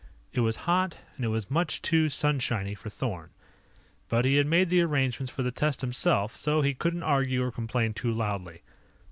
It was hot and it was much too sunshiny for Thorn. But he had made the arrangements for the test himself, so he couldn't argue or complain too loudly.